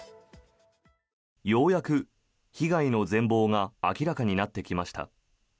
ようやく被害の全ぼうが明らかになってきました。